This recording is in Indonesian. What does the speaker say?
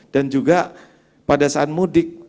dan juga pada saat mudik